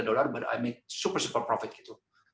tapi saya membuat super super profit